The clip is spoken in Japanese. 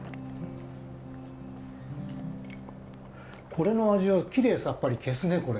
これの味をきれいさっぱり消すねこれ。